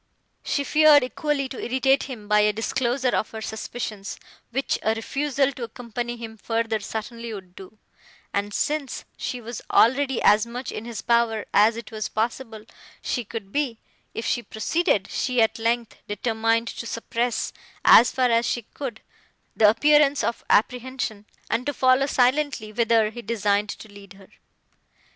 She feared equally to irritate him by a disclosure of her suspicions, which a refusal to accompany him further certainly would do; and, since she was already as much in his power as it was possible she could be, if she proceeded, she, at length, determined to suppress, as far as she could, the appearance of apprehension, and to follow silently whither he designed to lead her.